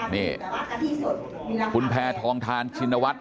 นี่คุณแพทองทานชินวัฒน์